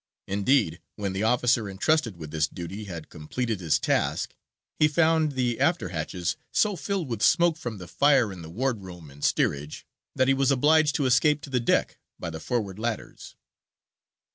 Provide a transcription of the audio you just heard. Indeed, when the officer entrusted with this duty had completed his task, he found the after hatches so filled with smoke from the fire in the ward room and steerage, that he was obliged to escape to the deck by the forward ladders.